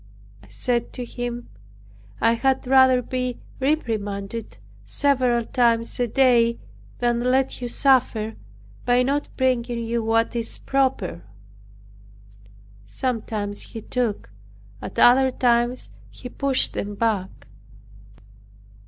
I said to him, "I had rather be reprimanded several times a day, than let you suffer by not bringing you what is proper." Sometimes he took; at other times he pushed them back.